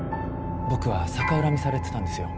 僕は逆恨みされてたんですよ。